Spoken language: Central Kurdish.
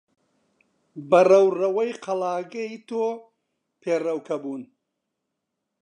بە ڕەوڕەوەی قەڵاکەی تۆ پێڕەوکە بوون.